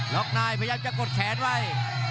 ็อกนายพยายามจะกดแขนไว้